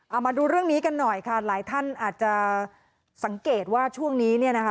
เอามาดูเรื่องนี้กันหน่อยค่ะหลายท่านอาจจะสังเกตว่าช่วงนี้เนี่ยนะคะ